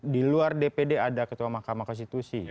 di luar dpd ada ketua mahkamah konstitusi